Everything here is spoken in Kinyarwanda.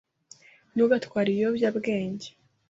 Ntugatware ibiyobyabwenge.